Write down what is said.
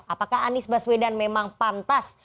apakah anies baswedan memang pantas